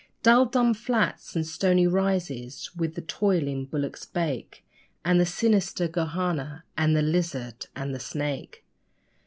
Dull dumb flats and stony rises, where the toiling bullocks bake, And the sinister 'gohanna', and the lizard, and the snake.